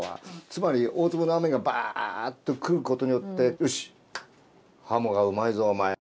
つまり大粒の雨がバッと来ることによって「よし鱧がうまいぞお前よ。